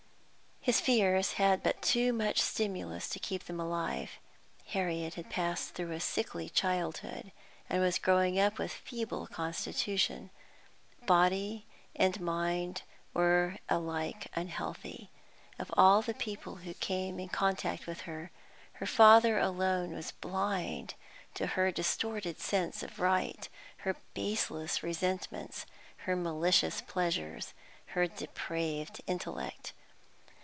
His fears had but too much stimulus to keep them alive. Harriet had passed through a sickly childhood, and was growing up with a feeble constitution. Body and mind were alike unhealthy. Of all the people who came in contact with her, her father alone was blind to her distorted sense of right, her baseless resentments, her malicious pleasures, her depraved intellect.